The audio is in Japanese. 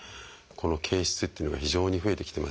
この憩室っていうのが非常に増えてきてます。